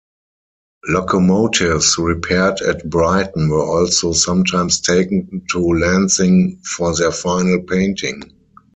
Locomotives repaired at Brighton were also sometimes taken to Lancing for their final painting.